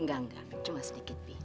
enggak enggak cuma sedikit